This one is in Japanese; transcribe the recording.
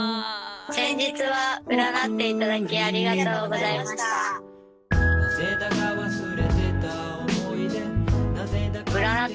先日は占っていただきありがとうございました。と思って。